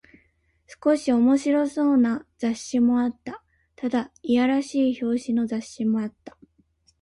少し面白そうな雑誌もあった。ただ、いやらしい表紙の雑誌もあった。